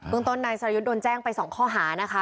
ต้นนายสรยุทธ์โดนแจ้งไป๒ข้อหานะคะ